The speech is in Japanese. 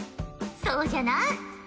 そうじゃな。